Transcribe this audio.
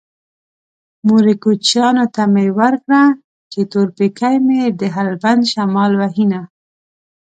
مورې کوچيانو ته مې ورکړه چې تور پېکی مې د هلبند شمال وهينه